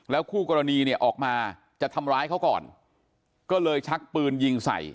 คู่กรณีเนี่ยออกมาจะทำร้ายเขาก่อนก็เลยชักปืนยิงใส่